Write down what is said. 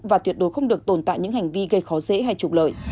và tuyệt đối không được tồn tại những hành vi gây khó dễ hay trục lợi